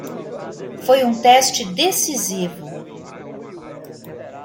Foi um teste decisivo.